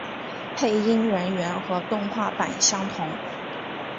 配音人员和动画版相同。